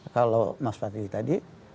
kalau mas fadli tadi